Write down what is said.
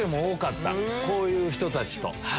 こういう人たちと。